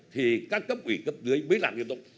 thì các cấp ủy cấp dưới mới làm nghiêm túc